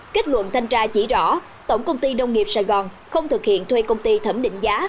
kết luận thanh tra chỉ rõ tổng công ty nông nghiệp sài gòn không thực hiện thuê công ty thẩm định giá